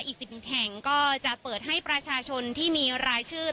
อีก๑๑แห่งก็จะเปิดให้ประชาชนที่มีรายชื่อ